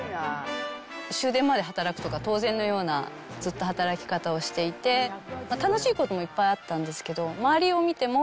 終電まで働くとか当然のような、ずっと働き方をしていて、楽しいこともいっぱいあったんですけど、周りを見ても、